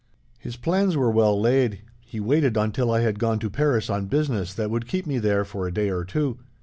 "His plans were well laid. He waited until I had gone to Paris on business that would keep me there for a day or two.